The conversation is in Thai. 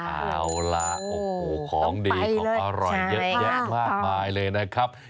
เอาล่ะโอ้โหของดีของอร่อยเยอะแยะมากมายเลยนะครับ